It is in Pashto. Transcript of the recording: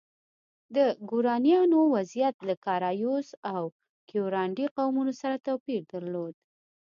د ګورانیانو وضعیت له کارایوس او کیورانډي قومونو سره توپیر درلود.